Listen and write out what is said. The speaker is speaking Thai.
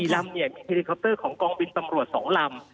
ลำมีเฮลิคอปเตอร์ของกองบินตำรวจ๒ลำ